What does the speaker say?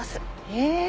へえ。